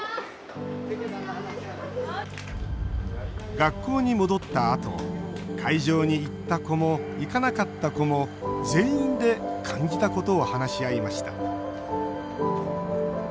学校に戻ったあと会場に行った子も行かなかった子も全員で感じたことを話し合いました